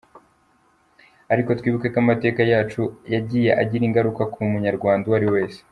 Ariko twibuke ko amateka yacu yagiye agira ingaruka ku munyarwanda uwo ariwe wese.